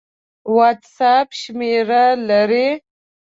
وټس اپ شمېره لرئ؟